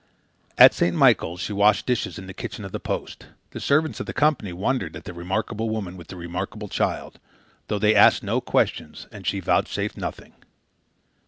At St. Michael's she washed dishes in the kitchen of the post. The servants of the Company wondered at the remarkable woman with the remarkable child, though they asked no questions and she vouchsafed nothing.